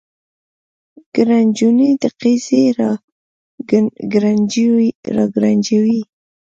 ګړنجونې د قیزې را ګړنجوي